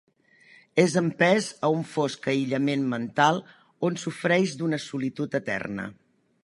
És empès a un fosc aïllament mental on sofreix d'una solitud eterna.